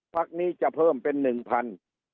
พักนี้จะเพิ่มเป็นหนึ่งพัน